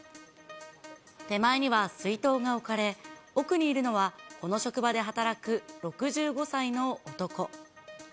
手前には水筒が置かれ、奥にいるのは、この職場で働く６５歳の男。